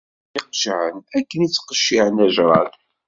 Ad iyi-qeccɛen akken i ttqecciɛen ajrad.